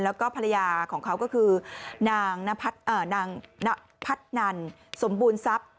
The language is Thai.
แล้วก็ภรรยาของเขาก็คือนางพัฒนันสมบูรณ์ทรัพย์